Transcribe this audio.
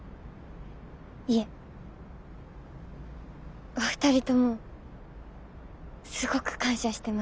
いえお二人ともすごく感謝してました。